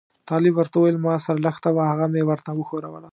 طالب ورته وویل ما سره لښته وه هغه مې ورته وښوروله.